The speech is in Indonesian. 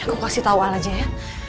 aku kasih tahu al aja ya